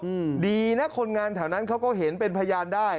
อืมดีนะคนงานแถวนั้นเขาก็เห็นเป็นพยานได้